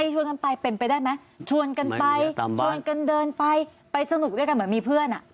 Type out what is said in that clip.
ชวนกันไปไปเปล่าชวนกันก้ันไปตามบ้านกันเดินไปไปสนุกด้วยคำมีเพื่อน